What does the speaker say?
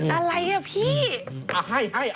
อะไรอ่ะพี่